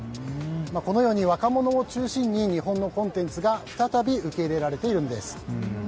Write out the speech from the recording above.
このように若者を中心に日本のコンテンツが再び受け入れられているんです。